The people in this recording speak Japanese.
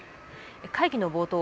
会議の冒頭